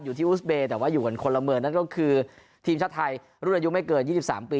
อยู่ที่อุสเบย์แต่ว่าอยู่กันคนละเมืองนั่นก็คือทีมชาติไทยรุ่นอายุไม่เกิน๒๓ปี